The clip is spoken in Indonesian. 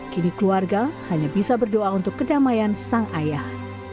kini keluarga hanya bisa berdoa untuk kedamaian sang ayah